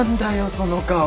その顔。